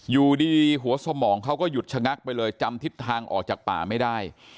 อยู่ดีหัวสมองเขาก็หยุดชะงักไปเลยจำทิศทางออกจากป่าไม่ได้